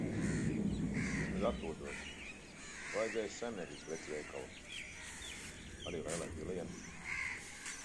Vismaz atpūtos. Vajadzēja uz saimniecības preču veikalu, arī Leilai pilienus.